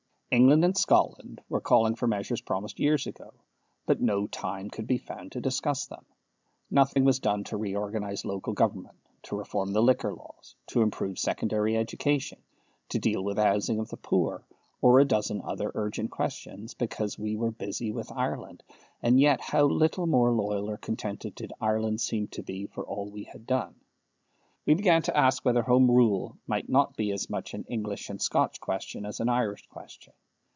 England and Scotland were calling for measures promised years ago, but no time could be found to discuss them. Nothing was done to reorganize local government, to reform the liquor laws, to improve secondary education, to deal with the housing of the poor, or a dozen other urgent questions, because we were busy with Ireland; and yet how little more loyal or contented did Ireland seem to be for all we had done. We began to ask whether Home Rule might not be as much an English and Scotch question as an Irish question.